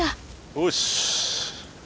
よし！